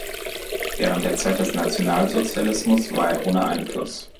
Während der Zeit des Nationalsozialismus war er ohne Einfluss.